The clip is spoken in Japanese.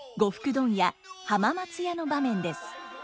問屋浜松屋の場面です。